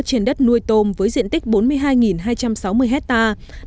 trên đất nuôi tôm với diện tích bốn mươi hai hai trăm sáu mươi hectare